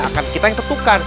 akan kita yang tentukan